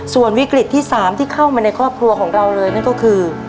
ส่วนวิกฤตที่๓ที่เข้ามาในครอบครัวของเราเลยนั่นก็คือ